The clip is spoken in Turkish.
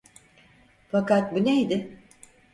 Fakat bu neydi?